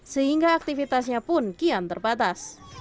sehingga aktivitasnya pun kian terbatas